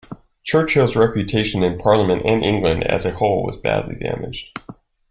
Churchill's reputation in Parliament and England as a whole was badly damaged.